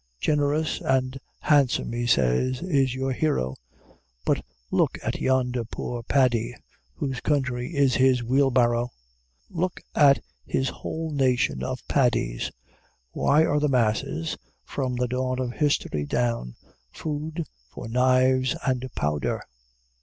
"Generous and handsome," he says, "is your hero; but look at yonder poor Paddy, whose country is his wheelbarrow; look at his whole nation of Paddies." Why are the masses, from the dawn of history down, food for knives and powder?